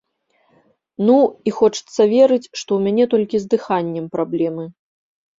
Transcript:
Ну, і хочацца верыць, што ў мяне толькі з дыханнем праблемы.